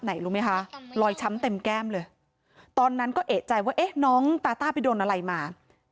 รู้ไหมคะรอยช้ำเต็มแก้มเลยตอนนั้นก็เอกใจว่าเอ๊ะน้องตาต้าไปโดนอะไรมา